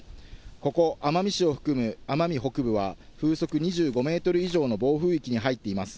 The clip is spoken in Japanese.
ここ奄美市を含む奄美北部は風速２５メートル以上の暴風域に入っています。